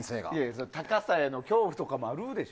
高さへの恐怖とかもあるでしょ？